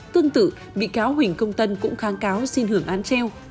tương tự bị cáo huỳnh công tân cũng kháng cáo xin hưởng án treo